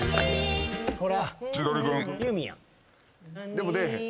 でも出えへん。